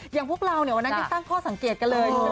อย่างพวกเราเนี่ยวันนั้นยังตั้งข้อสังเกตกันเลย